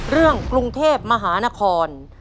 เรื่องกรุงเทพมหานคร